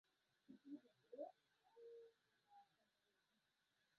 এবং প্রথম বারের মতো সংসদ সদস্য নির্বাচিত হয়েছেন।